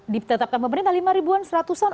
ditetapkan pemerintah lima ribuan seratus an